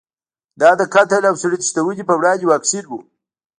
دا د قتل او سړي تښتونې په وړاندې واکسین و.